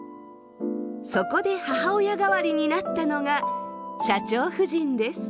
そこで母親代わりになったのが社長夫人です。